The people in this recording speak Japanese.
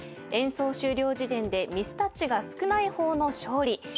演奏終了時点でミスタッチが少ない方の勝利。